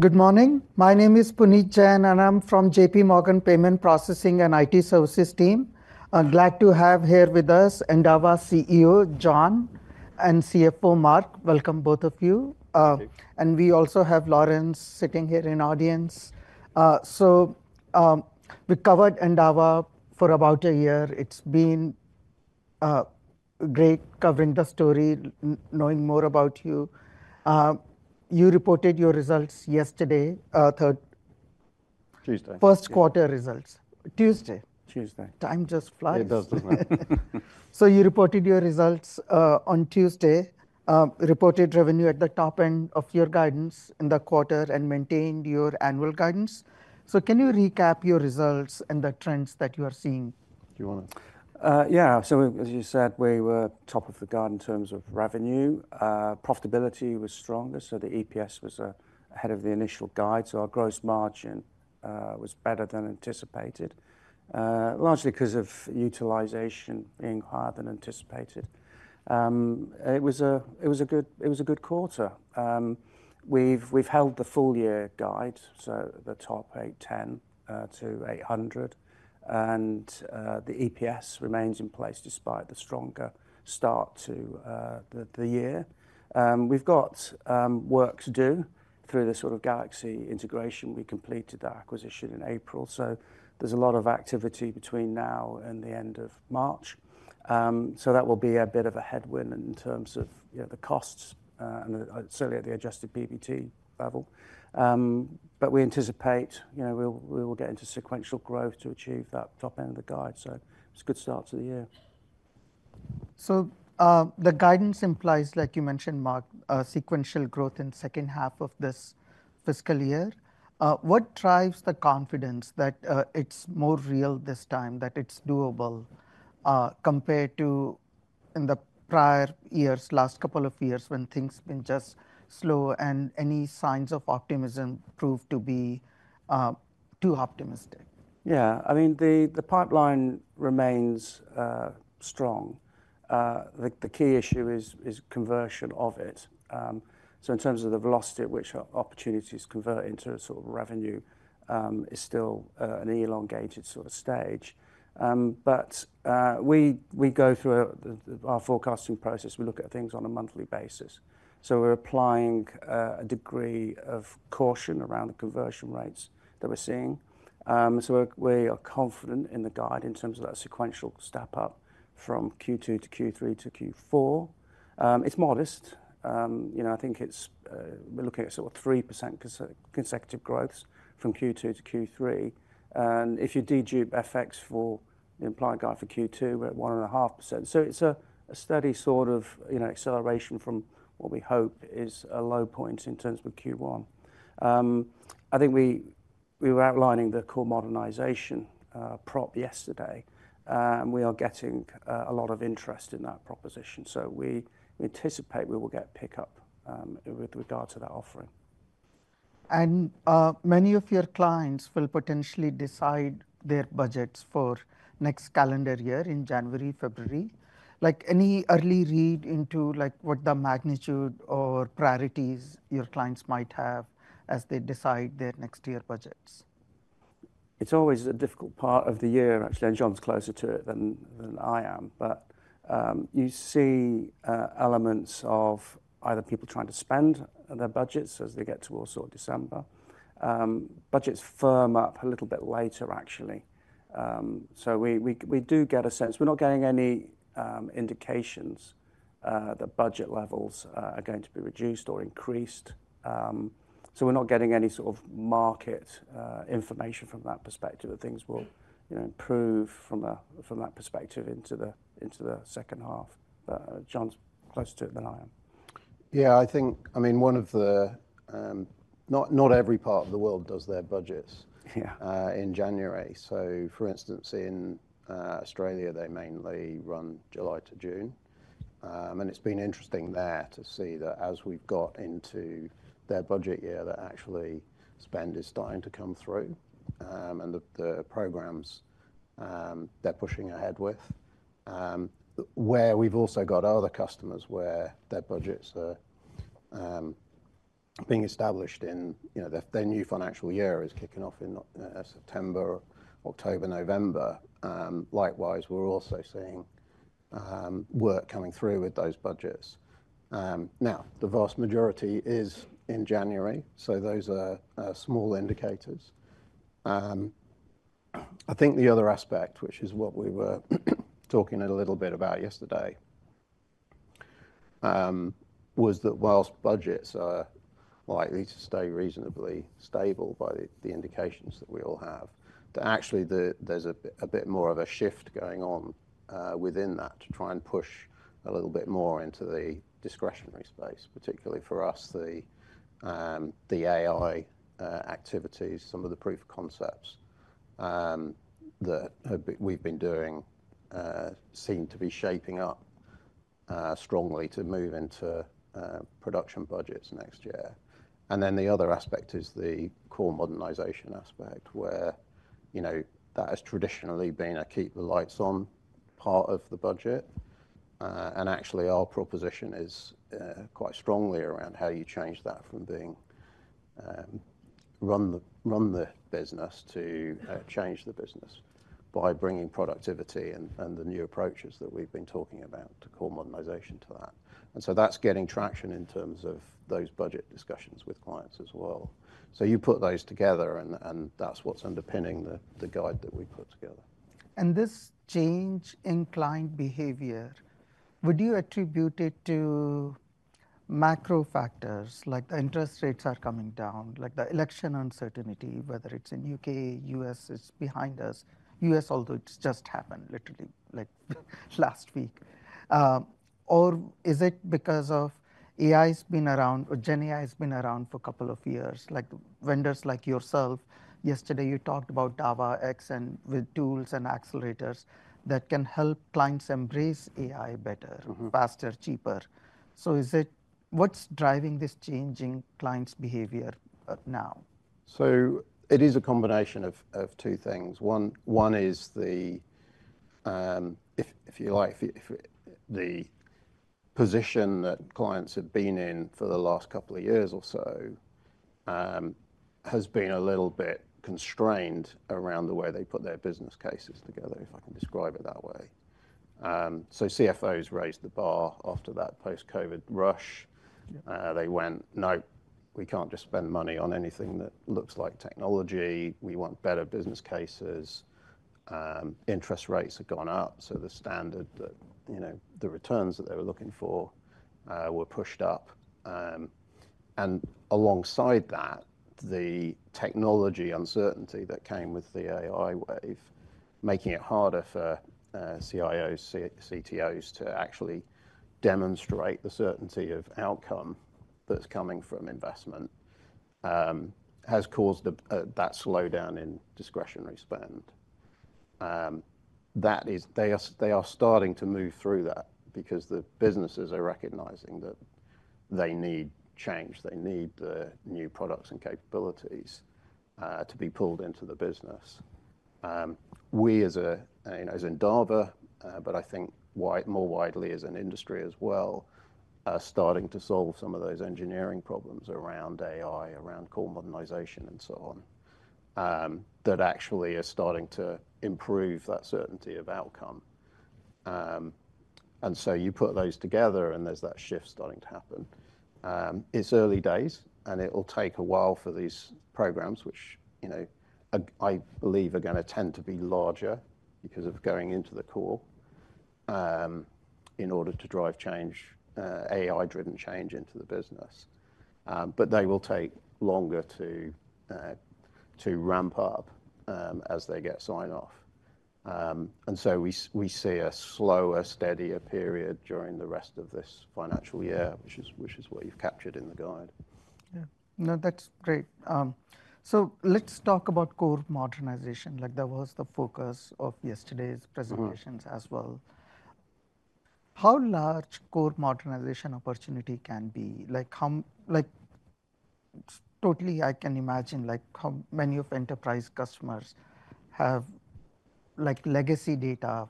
Good morning. My name is Puneet Jain, and I'm from JPMorgan Payment Processing and IT Services team. I'm glad to have here with us Endava CEO John and CFO Mark. Welcome, both of you, and we also have Laurence sitting here in the audience. So we covered Endava for about a year. It's been great covering the story, knowing more about you. You reported your results yesterday, third. Tuesday. First quarter results. Tuesday. Tuesday. Time just flies. It does fly. So you reported your results on Tuesday, reported revenue at the top end of your guidance in the quarter, and maintained your annual guidance. So can you recap your results and the trends that you are seeing? Do you want to? Yeah. So as you said, we were top end of the guide in terms of revenue. Profitability was stronger. So the EPS was ahead of the initial guide. So our gross margin was better than anticipated, largely because of utilization being higher than anticipated. It was a good quarter. We've held the full year guide, so the top end of 810-800. And the EPS remains in place despite the stronger start to the year. We've got work to do through the sort of Galaxy integration. We completed that acquisition in April. So there's a lot of activity between now and the end of March. So that will be a bit of a headwind in terms of the costs, certainly at the adjusted PBT level. But we anticipate we will get into sequential growth to achieve that top end of the guide. So it's a good start to the year. So the guidance implies, like you mentioned, Mark, sequential growth in the second half of this fiscal year. What drives the confidence that it's more real this time, that it's doable compared to in the prior years, last couple of years, when things have been just slow and any signs of optimism proved to be too optimistic? Yeah. I mean, the pipeline remains strong. The key issue is conversion of it. So in terms of the velocity at which opportunities convert into a sort of revenue, it's still an elongated sort of stage. But we go through our forecasting process. We look at things on a monthly basis. So we're applying a degree of caution around the conversion rates that we're seeing. So we are confident in the guide in terms of that sequential step up from Q2 to Q3 to Q4. It's modest. I think we're looking at sort of 3% consecutive growth from Q2 to Q3. And if you dedupe FX for the implied guide for Q2, we're at 1.5%. So it's a steady sort of acceleration from what we hope is a low point in terms of Q1. I think we were outlining the core modernization prop yesterday. We are getting a lot of interest in that proposition. We anticipate we will get pickup with regard to that offering. Many of your clients will potentially decide their budgets for next calendar year in January, February. Any early read into what the magnitude or priorities your clients might have as they decide their next year budgets? It's always a difficult part of the year, actually, and John's closer to it than I am, but you see elements of either people trying to spend their budgets as they get towards December. Budgets firm up a little bit later, actually, so we do get a sense. We're not getting any indications that budget levels are going to be reduced or increased, so we're not getting any sort of market information from that perspective that things will improve from that perspective into the second half. John's closer to it than I am. Yeah. I think, I mean, one of the not every part of the world does their budgets in January. So for instance, in Australia, they mainly run July to June. And it's been interesting there to see that as we've got into their budget year, that actually spend is starting to come through. And the programs they're pushing ahead with, where we've also got other customers where their budgets are being established in their new financial year is kicking off in September, October, November. Likewise, we're also seeing work coming through with those budgets. Now, the vast majority is in January. So those are small indicators. I think the other aspect, which is what we were talking a little bit about yesterday, was that whilst budgets are likely to stay reasonably stable by the indications that we all have, that actually there's a bit more of a shift going on within that to try and push a little bit more into the discretionary space, particularly for us, the AI activities. Some of the proof concepts that we've been doing seem to be shaping up strongly to move into production budgets next year, and then the other aspect is the core modernization aspect, where that has traditionally been a keep the lights on part of the budget, and actually, our proposition is quite strongly around how you change that from being run the business to change the business by bringing productivity and the new approaches that we've been talking about to core modernization to that. And so that's getting traction in terms of those budget discussions with clients as well. So you put those together, and that's what's underpinning the guide that we put together. This change in client behavior, would you attribute it to macro factors like the interest rates are coming down, like the election uncertainty, whether it's in the U.K., U.S. is behind us, U.S., although it's just happened literally last week? Or is it because of AI has been around, or Gen AI has been around for a couple of years, like vendors like yourself? Yesterday, you talked about Dava X and with tools and accelerators that can help clients embrace AI better, faster, cheaper. What's driving this changing clients' behavior now? It is a combination of two things. One is the, if you like, the position that clients have been in for the last couple of years or so has been a little bit constrained around the way they put their business cases together, if I can describe it that way. CFOs raised the bar after that post-COVID rush. They went, no, we can't just spend money on anything that looks like technology. We want better business cases. Interest rates have gone up. So the standard, the returns that they were looking for were pushed up. And alongside that, the technology uncertainty that came with the AI wave, making it harder for CIOs, CTOs to actually demonstrate the certainty of outcome that's coming from investment, has caused that slowdown in discretionary spend. They are starting to move through that because the businesses are recognizing that they need change. They need the new products and capabilities to be pulled into the business. We, as Endava, but I think more widely as an industry as well, are starting to solve some of those engineering problems around AI, around core modernization, and so on, that actually are starting to improve that certainty of outcome. And so you put those together, and there's that shift starting to happen. It's early days, and it will take a while for these programs, which I believe are going to tend to be larger because of going into the core in order to drive change, AI-driven change into the business. But they will take longer to ramp up as they get sign-off. And so we see a slower, steadier period during the rest of this financial year, which is what you've captured in the guide. Yeah. No, that's great. So let's talk about core modernization. That was the focus of yesterday's presentations as well. How large core modernization opportunity can be? Totally, I can imagine how many of enterprise customers have legacy data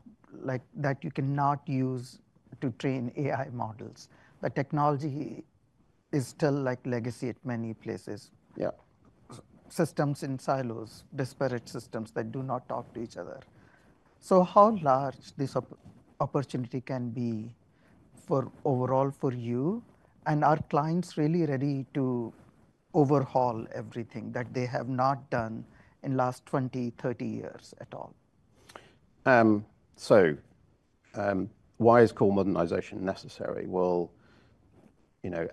that you cannot use to train AI models. The technology is still legacy at many places. Yeah. Systems in silos, disparate systems that do not talk to each other. So how large this opportunity can be overall for you? And are clients really ready to overhaul everything that they have not done in the last 20, 30 years at all? Why is core modernization necessary?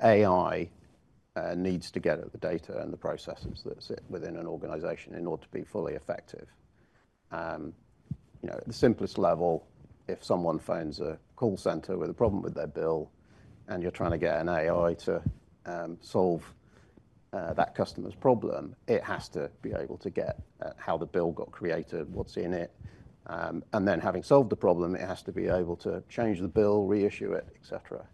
AI needs to get at the data and the processes that sit within an organization in order to be fully effective. At the simplest level, if someone phones a call center with a problem with their bill, and you're trying to get an AI to solve that customer's problem, it has to be able to get how the bill got created, what's in it. And then having solved the problem, it has to be able to change the bill, reissue it, et cetera.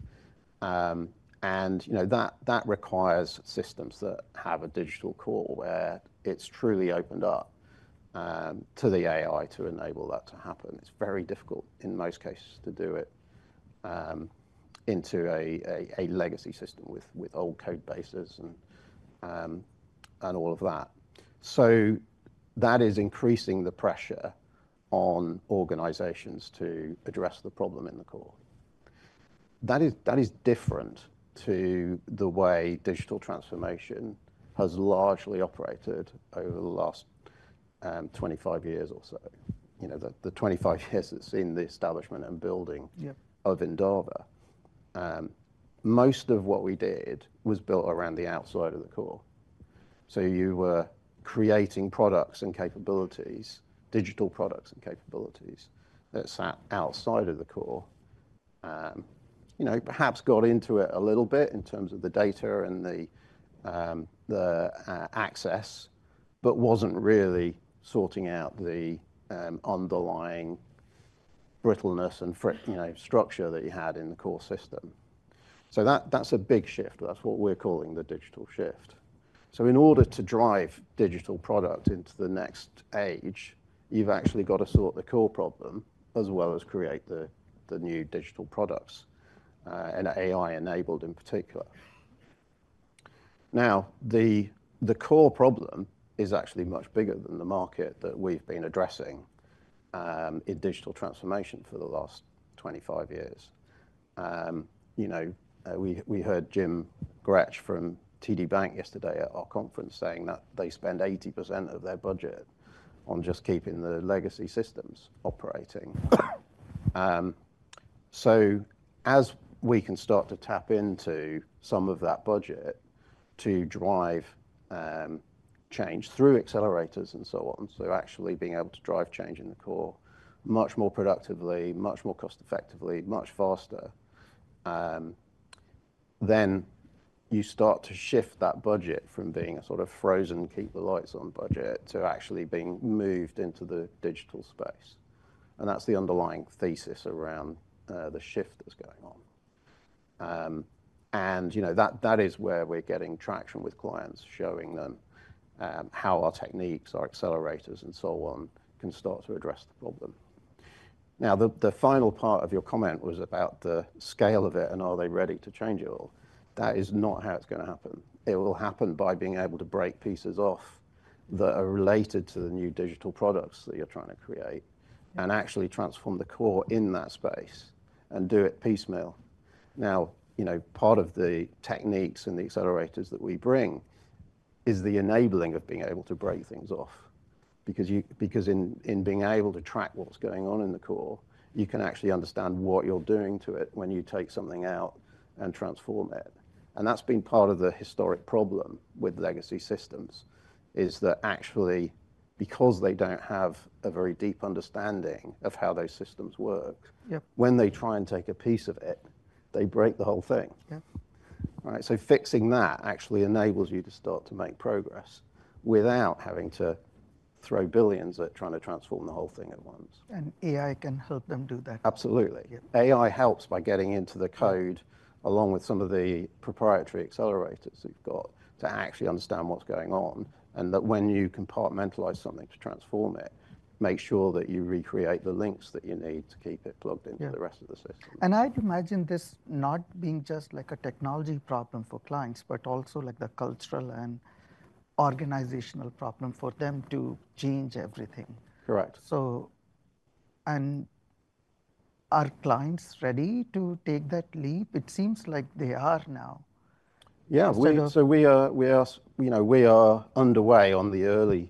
And that requires systems that have a digital core where it's truly opened up to the AI to enable that to happen. It's very difficult in most cases to do it into a legacy system with old code bases and all of that. That is increasing the pressure on organizations to address the problem in the core. That is different to the way digital transformation has largely operated over the last 25 years or so. The 25 years that's seen the establishment and building of Endava, most of what we did was built around the outside of the core. So you were creating products and capabilities, digital products and capabilities that sat outside of the core, perhaps got into it a little bit in terms of the data and the access, but wasn't really sorting out the underlying brittleness and structure that you had in the core system. So that's a big shift. That's what we're calling the digital shift. So in order to drive digital product into the next age, you've actually got to sort the core problem as well as create the new digital products, and AI enabled in particular. Now, the core problem is actually much bigger than the market that we've been addressing in digital transformation for the last 25 years. We heard Jim Grech from TD Bank yesterday at our conference saying that they spend 80% of their budget on just keeping the legacy systems operating. So as we can start to tap into some of that budget to drive change through accelerators and so on, so actually being able to drive change in the core much more productively, much more cost-effectively, much faster, then you start to shift that budget from being a sort of frozen keep the lights on budget to actually being moved into the digital space. And that's the underlying thesis around the shift that's going on. And that is where we're getting traction with clients, showing them how our techniques, our accelerators, and so on can start to address the problem. Now, the final part of your comment was about the scale of it and are they ready to change it all? That is not how it's going to happen. It will happen by being able to break pieces off that are related to the new digital products that you're trying to create and actually transform the core in that space and do it piecemeal. Now, part of the techniques and the accelerators that we bring is the enabling of being able to break things off. Because in being able to track what's going on in the core, you can actually understand what you're doing to it when you take something out and transform it. That's been part of the historic problem with legacy systems, is that actually, because they don't have a very deep understanding of how those systems work, when they try and take a piece of it, they break the whole thing. Fixing that actually enables you to start to make progress without having to throw billions at trying to transform the whole thing at once. AI can help them do that. Absolutely. AI helps by getting into the code along with some of the proprietary accelerators we've got to actually understand what's going on, and that when you compartmentalize something to transform it, make sure that you recreate the links that you need to keep it plugged into the rest of the system. And I'd imagine this not being just like a technology problem for clients, but also like the cultural and organizational problem for them to change everything. Correct. Are clients ready to take that leap? It seems like they are now. Yeah. So we are underway on the early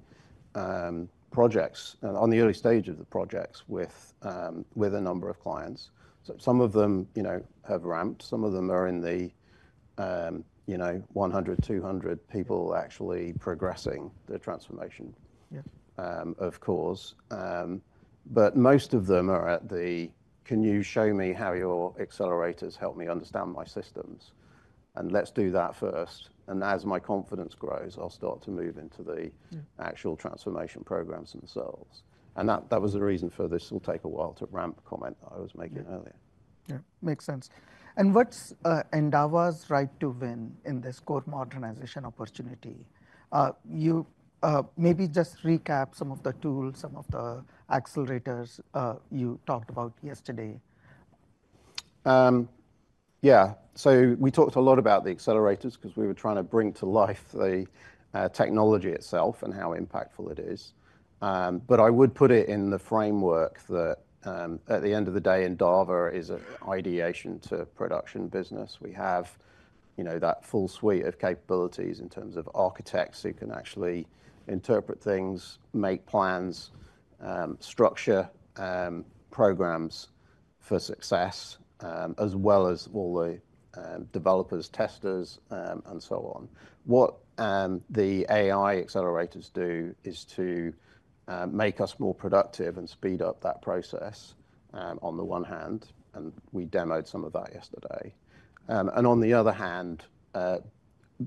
projects, on the early stage of the projects with a number of clients. Some of them have ramped. Some of them are in the 100 to 200 people actually progressing the transformation, of course. But most of them are at the "can you show me how your accelerators help me understand my systems?" And "let's do that first." And as my confidence grows, I'll start to move into the actual transformation programs themselves. And that was the reason for this "will take a while to ramp" comment that I was making earlier. Yeah. Makes sense. And what's Endava's right to win in this core modernization opportunity? Maybe just recap some of the tools, some of the accelerators you talked about yesterday. Yeah. So we talked a lot about the accelerators because we were trying to bring to life the technology itself and how impactful it is. But I would put it in the framework that at the end of the day, Endava is an ideation to production business. We have that full suite of capabilities in terms of architects who can actually interpret things, make plans, structure programs for success, as well as all the developers, testers, and so on. What the AI accelerators do is to make us more productive and speed up that process on the one hand. And we demoed some of that yesterday. And on the other hand,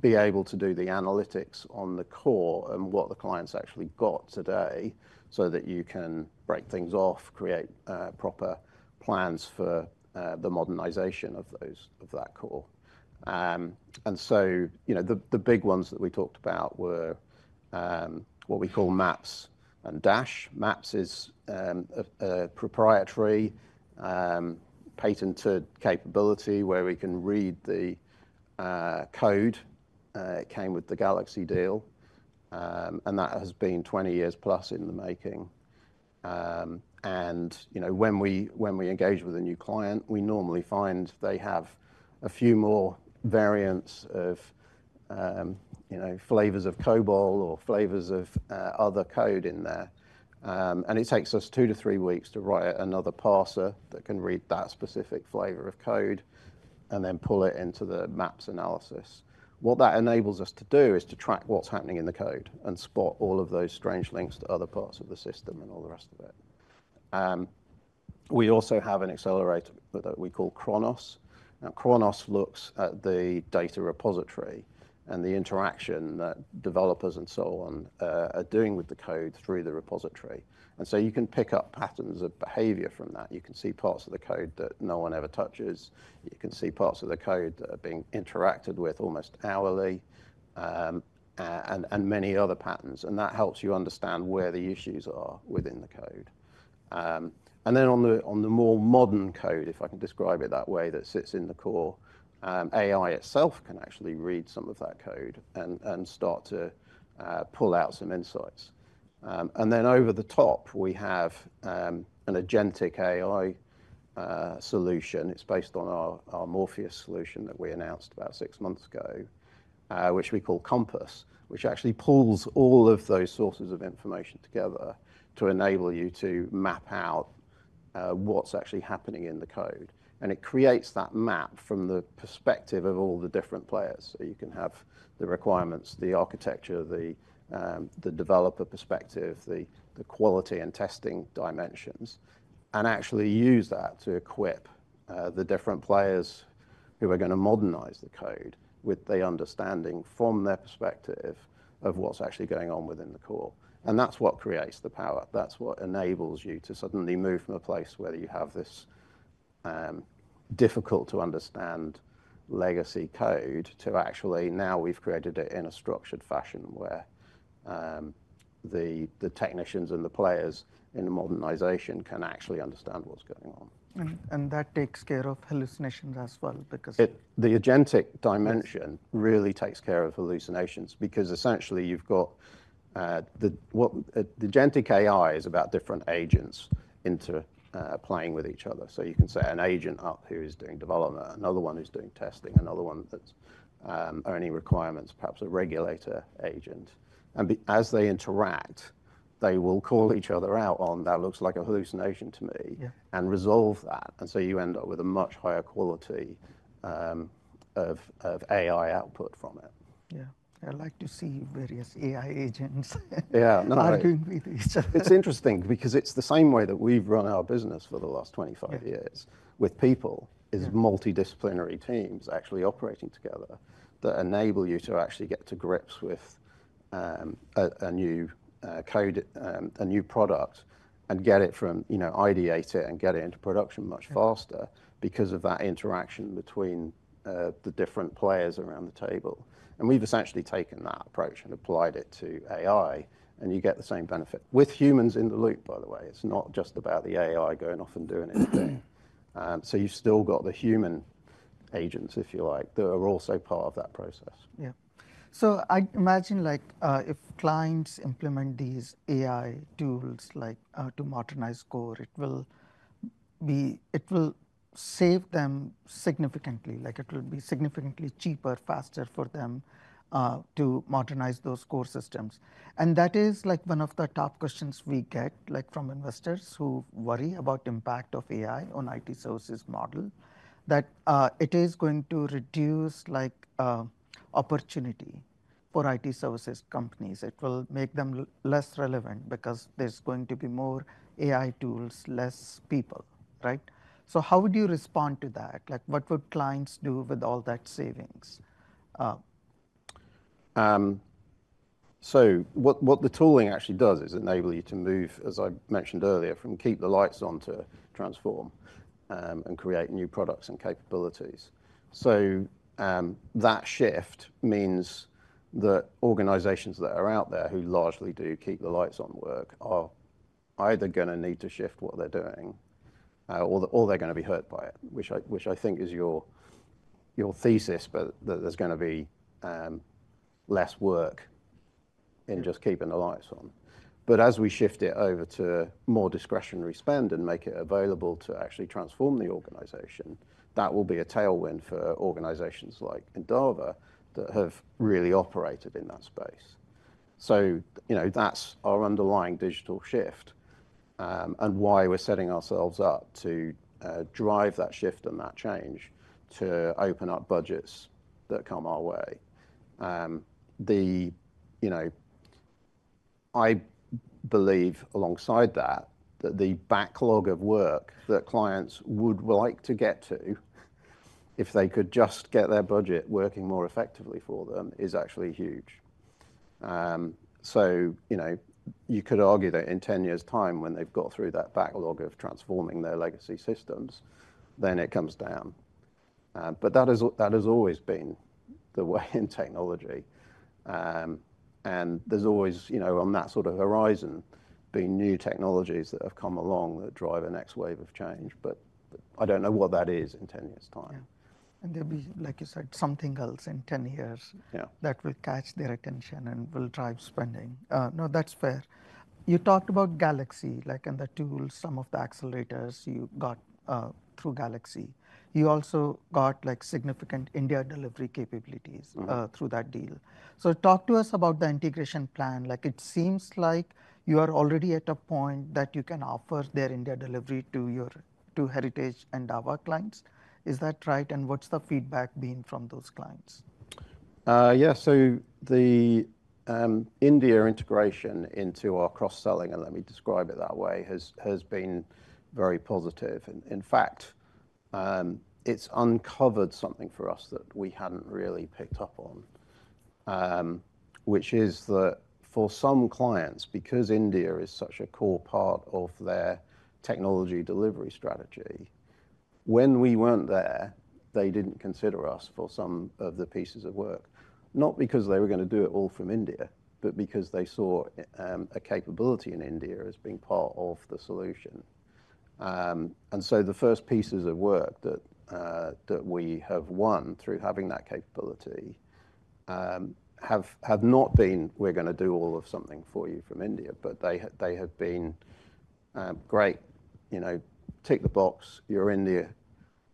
be able to do the analytics on the core and what the clients actually got today so that you can break things off, create proper plans for the modernization of that core. And so the big ones that we talked about were what we call MAPS and DASH. MAPS is a proprietary patented capability where we can read the code. It came with the Galaxy deal. And that has been 20 years plus in the making. And when we engage with a new client, we normally find they have a few more variants of flavors of COBOL or flavors of other code in there. And it takes us two to three weeks to write another parser that can read that specific flavor of code and then pull it into the MAPS analysis. What that enables us to do is to track what's happening in the code and spot all of those strange links to other parts of the system and all the rest of it. We also have an accelerator that we call Chronos. Now, Chronos looks at the data repository and the interaction that developers and so on are doing with the code through the repository. And so you can pick up patterns of behavior from that. You can see parts of the code that no one ever touches. You can see parts of the code that are being interacted with almost hourly and many other patterns. And that helps you understand where the issues are within the code. And then on the more modern code, if I can describe it that way, that sits in the core, AI itself can actually read some of that code and start to pull out some insights. And then over the top, we have an agentic AI solution. It's based on our Morpheus solution that we announced about six months ago, which we call Compass, which actually pulls all of those sources of information together to enable you to map out what's actually happening in the code. And it creates that map from the perspective of all the different players. So you can have the requirements, the architecture, the developer perspective, the quality and testing dimensions, and actually use that to equip the different players who are going to modernize the code with the understanding from their perspective of what's actually going on within the core. And that's what creates the power. That's what enables you to suddenly move from a place where you have this difficult to understand legacy code to actually now we've created it in a structured fashion where the technicians and the players in the modernization can actually understand what's going on. That takes care of hallucinations as well because. The agentic dimension really takes care of hallucinations because essentially you've got the agentic AI is about different agents interacting with each other. So you can set an agent up who is doing development, another one who's doing testing, another one that's only requirements perhaps a regulator agent. And as they interact, they will call each other out on that looks like a hallucination to me, and resolve that. And so you end up with a much higher quality of AI output from it. Yeah. I like to see various AI agents arguing with each other. It's interesting because it's the same way that we've run our business for the last 25 years with people is multidisciplinary teams actually operating together that enable you to actually get to grips with a new product and get it from ideated and get it into production much faster because of that interaction between the different players around the table. And we've essentially taken that approach and applied it to AI, and you get the same benefit. With humans in the loop, by the way, it's not just about the AI going off and doing its thing. So you've still got the human agents, if you like, that are also part of that process. Yeah. So I imagine if clients implement these AI tools to modernize core, it will save them significantly. It will be significantly cheaper, faster for them to modernize those core systems. And that is one of the top questions we get from investors who worry about the impact of AI on IT services model, that it is going to reduce opportunity for IT services companies. It will make them less relevant because there's going to be more AI tools, less people, right? So how would you respond to that? What would clients do with all that savings? So what the tooling actually does is enable you to move, as I mentioned earlier, from keep the lights on to transform and create new products and capabilities. So that shift means that organizations that are out there who largely do keep the lights on work are either going to need to shift what they're doing or they're going to be hurt by it, which I think is your thesis, but that there's going to be less work in just keeping the lights on. But as we shift it over to more discretionary spend and make it available to actually transform the organization, that will be a tailwind for organizations like Endava that have really operated in that space. So that's our underlying digital shift and why we're setting ourselves up to drive that shift and that change to open up budgets that come our way. I believe alongside that, that the backlog of work that clients would like to get to if they could just get their budget working more effectively for them is actually huge. So you could argue that in 10 years' time when they've got through that backlog of transforming their legacy systems, then it comes down. But that has always been the way in technology. And there's always on that sort of horizon been new technologies that have come along that drive a next wave of change. But I don't know what that is in 10 years' time. And there'll be, like you said, something else in 10 years that will catch their attention and will drive spending. No, that's fair. You talked about Galaxy, like in the tools, some of the accelerators you got through Galaxy. You also got significant India delivery capabilities through that deal. So talk to us about the integration plan. It seems like you are already at a point that you can offer their India delivery to Heritage and our clients. Is that right? And what's the feedback been from those clients? Yeah. So the India integration into our cross-selling, and let me describe it that way, has been very positive. In fact, it's uncovered something for us that we hadn't really picked up on, which is that for some clients, because India is such a core part of their technology delivery strategy, when we weren't there, they didn't consider us for some of the pieces of work. Not because they were going to do it all from India, but because they saw a capability in India as being part of the solution. And so the first pieces of work that we have won through having that capability have not been, we're going to do all of something for you from India, but they have been great. Tick the box, you're India,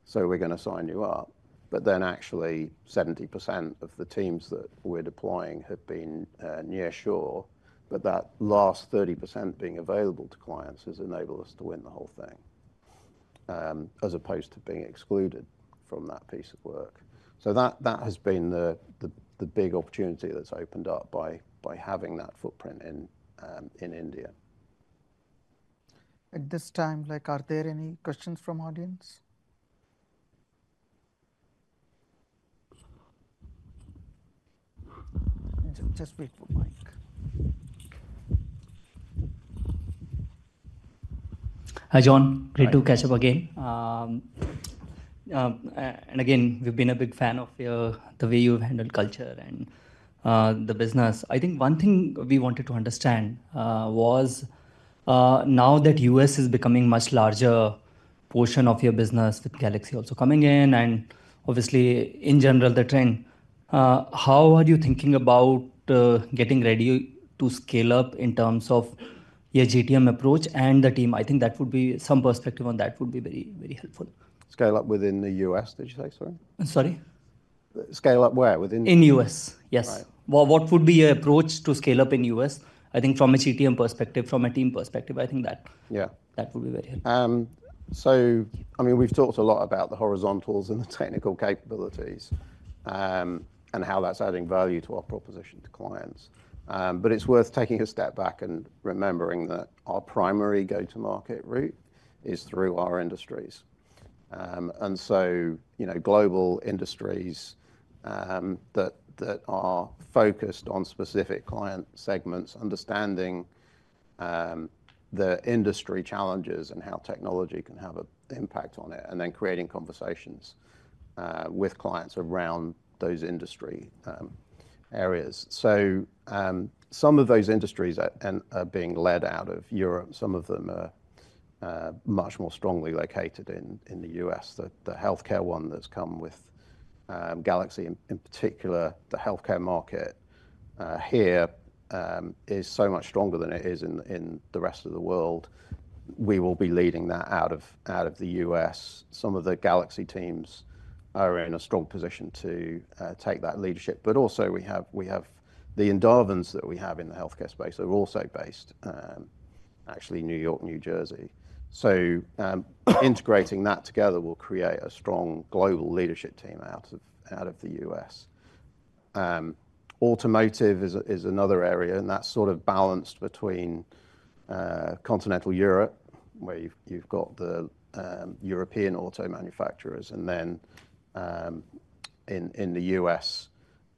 so we're going to sign you up. But then actually 70% of the teams that we're deploying have been near shore, but that last 30% being available to clients has enabled us to win the whole thing as opposed to being excluded from that piece of work. So that has been the big opportunity that's opened up by having that footprint in India. At this time, are there any questions from the audience? Just wait for Mike. Hi, John. Great to catch up again, and again, we've been a big fan of the way you've handled culture and the business. I think one thing we wanted to understand was now that US is becoming a much larger portion of your business with Galaxy also coming in and obviously in general the trend, how are you thinking about getting ready to scale up in terms of your GTM approach and the team? I think some perspective on that would be very, very helpful. Scale up within the U.S., did you say? Sorry? Sorry? Scale up where? In U.S., yes. What would be your approach to scale up in U.S.? I think from a GTM perspective, from a team perspective, I think that would be very helpful. So I mean, we've talked a lot about the horizontals and the technical capabilities and how that's adding value to our proposition to clients. But it's worth taking a step back and remembering that our primary go-to-market route is through our industries. And so global industries that are focused on specific client segments, understanding the industry challenges and how technology can have an impact on it, and then creating conversations with clients around those industry areas. So some of those industries are being led out of Europe. Some of them are much more strongly located in the U.S. The healthcare one that's come with Galaxy, in particular, the healthcare market here is so much stronger than it is in the rest of the world. We will be leading that out of the U.S. Some of the Galaxy teams are in a strong position to take that leadership. But also we have the Endavans that we have in the healthcare space are also based actually in New York, New Jersey. So integrating that together will create a strong global leadership team out of the U.S. Automotive is another area, and that's sort of balanced between continental Europe, where you've got the European auto manufacturers, and then in the U.S.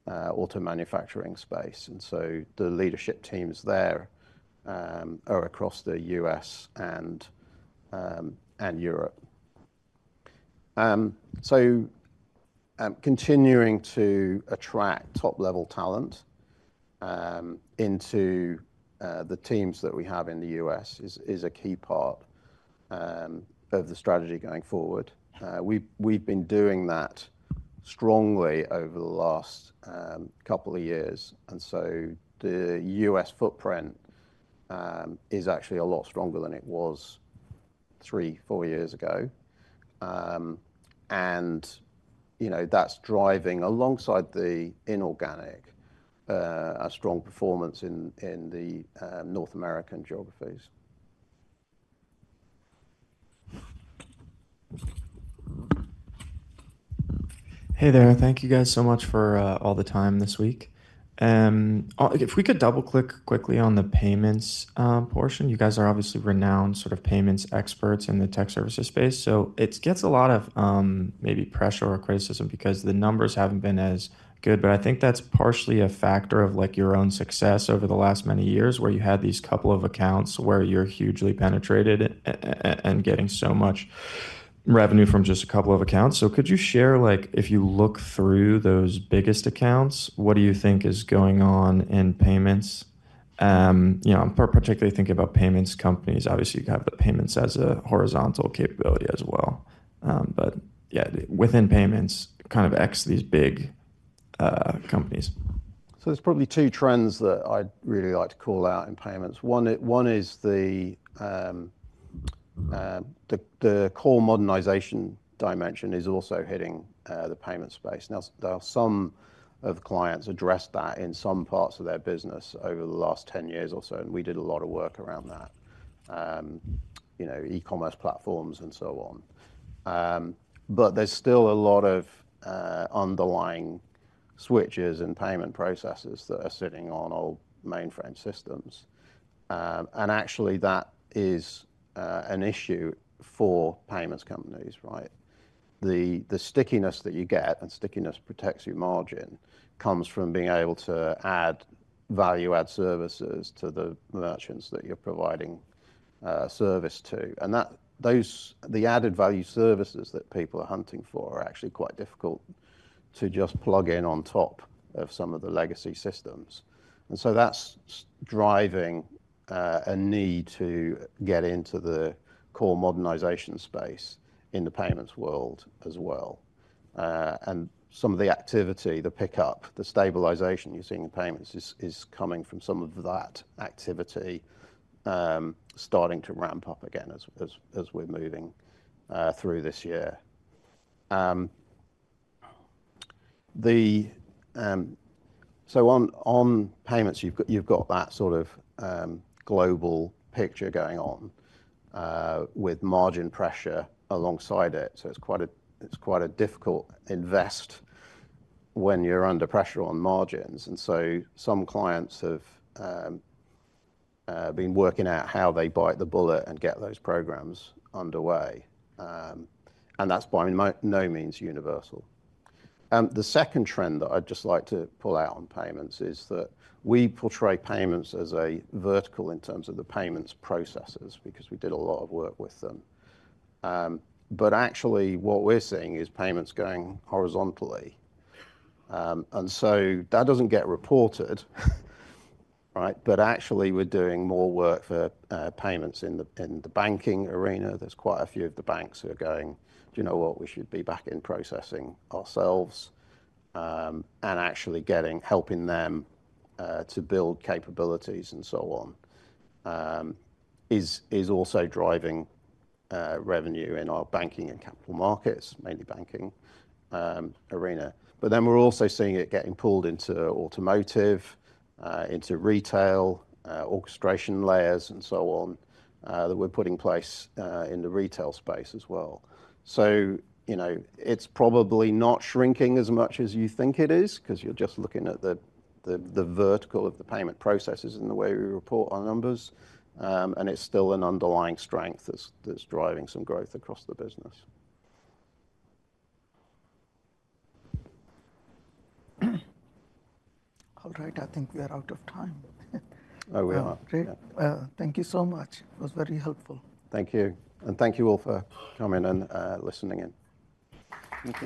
auto manufacturing space. And so the leadership teams there are across the U.S. and Europe. So continuing to attract top-level talent into the teams that we have in the U.S. is a key part of the strategy going forward. We've been doing that strongly over the last couple of years. And so the U.S. footprint is actually a lot stronger than it was three, four years ago. And that's driving alongside the inorganic a strong performance in the North American geographies. Hey there. Thank you guys so much for all the time this week. If we could double-click quickly on the payments portion, you guys are obviously renowned sort of payments experts in the tech services space. So it gets a lot of maybe pressure or criticism because the numbers haven't been as good. But I think that's partially a factor of your own success over the last many years where you had these couple of accounts where you're hugely penetrated and getting so much revenue from just a couple of accounts. So could you share if you look through those biggest accounts, what do you think is going on in payments? I'm particularly thinking about payments companies. Obviously, you have the payments as a horizontal capability as well. But yeah, within payments, kind of ex these big companies. So there's probably two trends that I'd really like to call out in payments. One is the core modernization dimension is also hitting the payment space. Now, some of the clients addressed that in some parts of their business over the last 10 years or so, and we did a lot of work around that, e-commerce platforms and so on. But there's still a lot of underlying switches and payment processes that are sitting on old mainframe systems. And actually, that is an issue for payments companies, right? The stickiness that you get and stickiness protects your margin comes from being able to add value-add services to the merchants that you're providing service to. And the added value services that people are hunting for are actually quite difficult to just plug in on top of some of the legacy systems. And so that's driving a need to get into the core modernization space in the payments world as well. And some of the activity, the pickup, the stabilization you're seeing in payments is coming from some of that activity starting to ramp up again as we're moving through this year. So on payments, you've got that sort of global picture going on with margin pressure alongside it. So it's quite a difficult invest when you're under pressure on margins. And so some clients have been working out how they bite the bullet and get those programs underway. And that's by no means universal. The second trend that I'd just like to pull out on payments is that we portray payments as a vertical in terms of the payments processes because we did a lot of work with them. But actually, what we're seeing is payments going horizontally. And so that doesn't get reported, right? But actually, we're doing more work for payments in the banking arena. There's quite a few of the banks who are going, "Do you know what? We should be back in processing ourselves." And actually helping them to build capabilities and so on is also driving revenue in our banking and capital markets, mainly banking arena. But then we're also seeing it getting pulled into automotive, into retail, orchestration layers, and so on that we're putting in place in the retail space as well. So it's probably not shrinking as much as you think it is because you're just looking at the vertical of the payment processes and the way we report our numbers. And it's still an underlying strength that's driving some growth across the business. All right. I think we are out of time. Oh, we are. Great. Thank you so much. It was very helpful. Thank you, and thank you all for coming and listening in.